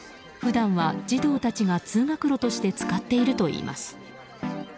普段は児童たちが通学路として使っているといいます。